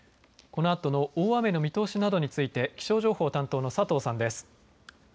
このあとの大雨の見通しなどについて気象情報担当の佐藤さんです。